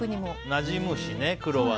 なじむしね、黒は。